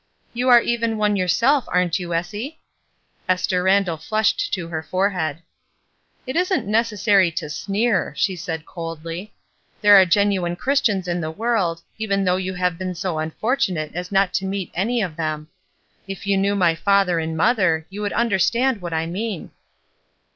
"You are even one yourself, aren't you, Essie?" Esther Randall flushed to her forehead. "It isn't necessary to sneer," she said coldly. "There are genuine Christians in the world, even though you have been so unfortunate as not to meet any of them. If you knew my 8 ESTER RIED'S NAMESAKE father and mother, you would understand what I mean."